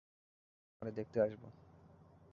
কত বার ভাবি তোমারে দেখতে আসব।